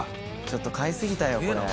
ちょっと買いすぎたよこれ。